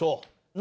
何？